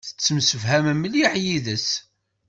Tettemsefham mliḥ yid-s.